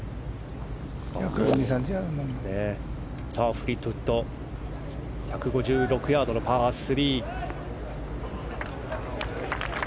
フリートウッド１５６ヤードのパー３。